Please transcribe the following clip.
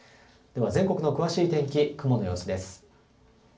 では、全国の詳しい天気、雲の様子です。